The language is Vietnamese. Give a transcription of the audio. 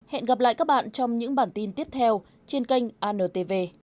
hẹn gặp lại các bạn trong những bản tin tiếp theo trên kênh antv